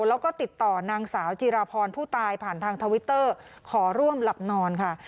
แล้วก็ติดต่อนางสาวจิราพรผู้ตายผ่านทางทวิตเตอร์ขอร่วมหลับนอนค่ะ